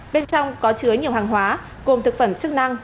bên trong có chứa nhiều hàng hóa gồm thực phẩm chức năng